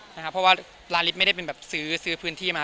เพราะว่าร้านฤทธิ์ไม่ได้เป็นแบบซื้อพื้นที่มา